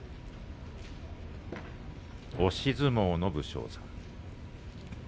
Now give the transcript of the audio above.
押し相撲の武将山。